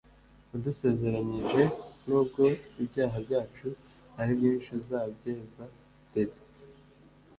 Wadusezeranyije nubwo ibyaha byacu ari byinshi uzabyeza dede